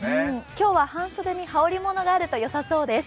今日は半袖に羽織物があるとよさそうです。